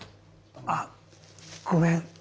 あごめん。